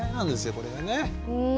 これがね。